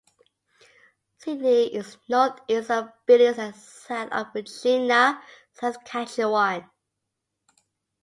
Sidney is northeast of Billings, and south of Regina, Saskatchewan.